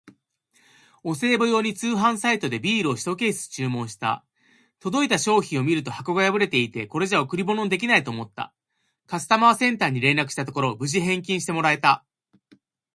お歳暮用に通販サイトでビールをひとケース注文した。届いた商品を見ると箱が破れていて、これじゃ贈り物にできないと思った。カスタマーセンターに連絡したところ、無事返金してもらえた！